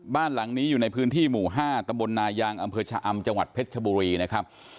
บ้านหลังนี้อยู่ในพื้นที่หมู่๕ตำบลนายางอำเภอชะอำจังหวัดเพชรชบุรีนะครับ